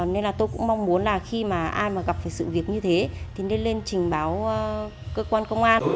nên là tôi cũng mong muốn là khi mà ai mà gặp phải sự việc như thế thì nên lên trình báo cơ quan công an